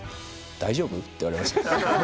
「大丈夫？」って言われました。